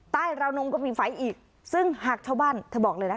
ราวนมก็มีไฟอีกซึ่งหากชาวบ้านเธอบอกเลยนะ